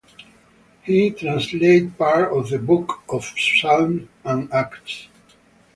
He translated part of the Book of Psalms and Acts.